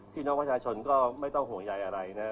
พี่น้องประชาชนก็ไม่ต้องห่วงใยอะไรนะ